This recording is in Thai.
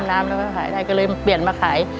น้ำแล้วก็ขายได้ก็เลยเปลี่ยนมาขาย